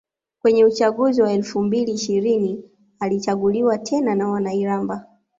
Kwenye uchaguzi wa elfu mbili na ishirini alichaguliwa tena na wana Iramba